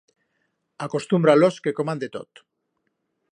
Acostumbra-los que coman de tot.